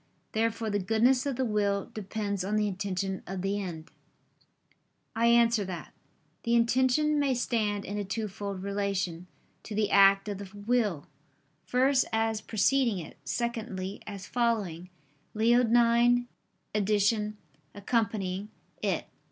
Therefore the goodness of the will depends on the intention of the end. I answer that, The intention may stand in a twofold relation to the act of the will; first, as preceding it, secondly as following [*Leonine edn.: 'accompanying'] it.